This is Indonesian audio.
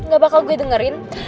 gak bakal gue dengerin